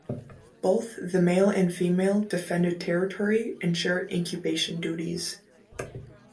Both the male and female defend a territory and share incubation duties.